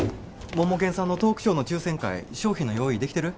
モモケンさんのトークショーの抽選会賞品の用意できてる？